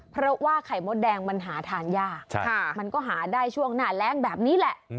เพราะว่าไข่มดแดงมันหาทานยากมันก็หาได้ช่วงหน้าแรงแบบนี้แหละ